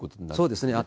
そうですね。